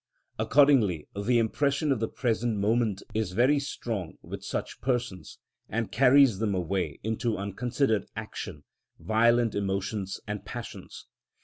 Accordingly the impression of the present moment is very strong with such persons, and carries them away into unconsidered action, violent emotions and passions.